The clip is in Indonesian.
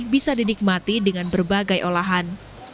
bisa dinikmati dengan berbagai olahan